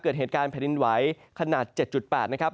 เกิดเหตุการณ์แผ่นดินไหวขนาด๗๘นะครับ